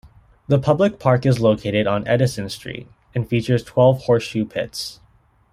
The public park is located on Edison Street, and features twelve horseshoe pits.